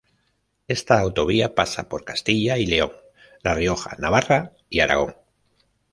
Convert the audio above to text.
Esta autovía pasa por Castilla y León, La Rioja, Navarra y Aragón.